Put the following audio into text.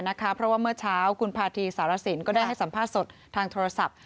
เพราะว่าเมื่อเช้าคุณพาธีสารสินก็ได้ให้สัมภาษณ์สดทางโทรศัพท์